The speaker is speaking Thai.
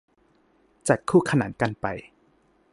จัดคู่ขนานกันไป